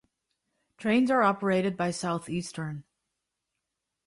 Trains are operated by Southeastern.